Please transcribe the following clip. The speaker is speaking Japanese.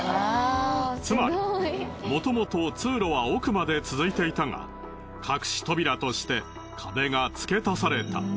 つまりもともと通路は奥まで続いていたが隠し扉として壁が付け足された。